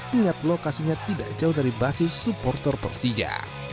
mengingat lokasinya tidak jauh dari basis supporter persija